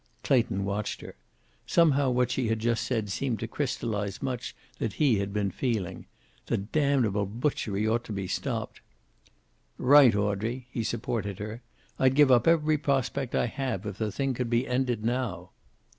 Clayton watched her. Somehow what she had just said seemed to crystallize much that he had been feeling. The damnable butchery ought to be stopped. "Right, Audrey," he supported her. "I'd give up every prospect I have if the thing could be ended now."